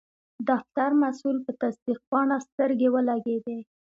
د فتر مسول په تصدیق پاڼه سترګې ولګیدې.